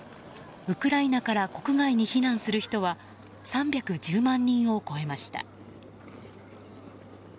ウクライナから国外に避難する人は３１０万人を超えました。